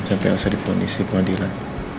sampai elsa dipunisi kewadilan